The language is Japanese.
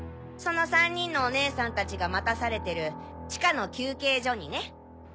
その３人のお姉さんたちが待たされてる地下の休憩所にね！